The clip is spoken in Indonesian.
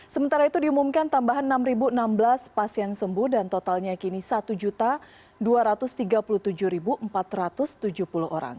sementara itu diumumkan tambahan enam enam belas pasien sembuh dan totalnya kini satu dua ratus tiga puluh tujuh empat ratus tujuh puluh orang